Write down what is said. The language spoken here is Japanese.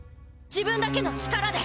自分だけの力で。